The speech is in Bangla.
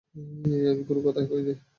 আমি কোন কথাই কই নাই।